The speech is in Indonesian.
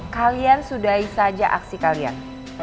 kalian sudahi saja aksi kalian